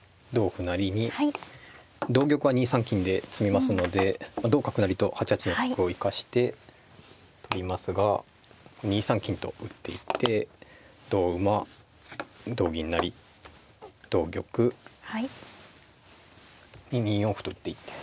成に同玉は２三金で詰みますので同角成と８八の角を生かして取りますが２三金と打っていって同馬同銀成同玉２四歩と打っていって。